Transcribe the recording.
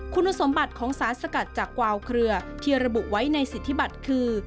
คุณสมบัติของสารสกัดจากกวาวเครือที่ระบุไว้ในสิทธิบัติคือ